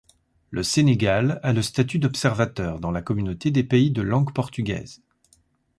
Le Sénégal a le statut d'observateur dans la communauté des pays de langue portugaise.